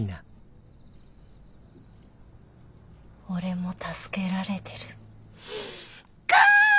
「俺も助けられてる」か！